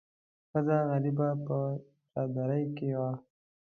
ښځه غریبه په چادرۍ کې وه.